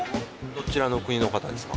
どちらの国の方ですか？